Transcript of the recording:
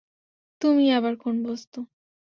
তুমি আবার কোন বস্তু?